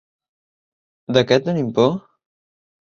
De què tenim por?